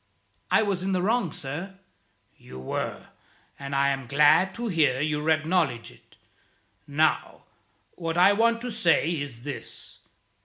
"I was in the wrong, sir." "You were; and I am glad to hear you acknowledge it. Now, what I want to say is this.